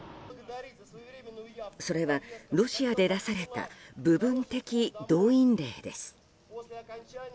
それはロシアで出された部分的動員令です。